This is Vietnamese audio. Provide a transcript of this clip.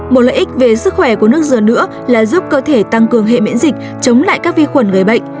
một lợi ích về sức khỏe của nước dừa nữa là giúp cơ thể tăng cường hệ miễn dịch chống lại các vi khuẩn gây bệnh